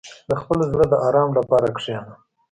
• د خپل زړه د آرام لپاره کښېنه.